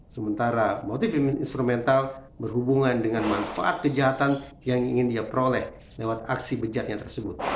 sementara motif instrumental berhubungan dengan manfaat kejahatan yang ingin dia peroleh lewat aksi bejatnya tersebut